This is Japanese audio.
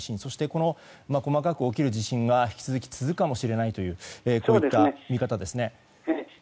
この細かく起きる地震が引き続き続くかもしれないというこういった見方ですね。